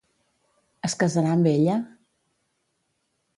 Es casarà amb ella?